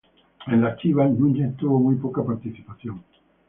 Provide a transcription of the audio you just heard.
En las Chivas, Núñez tuvo muy poca participación.